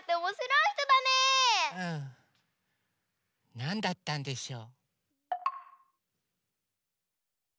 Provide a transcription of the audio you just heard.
なんだったんでしょう？